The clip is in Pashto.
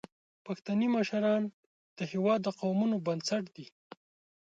پښتني مشران د هیواد د قومونو بنسټ دي.